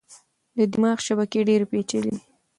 د دماغ شبکې ډېرې پېچلې دي.